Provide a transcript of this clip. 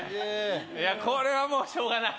これはもうしょうがない。